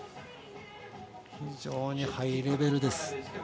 非常にハイレベルです。